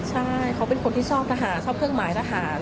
ใช่เขาเป็นคนที่ชอบทหารชอบเครื่องหมายทหาร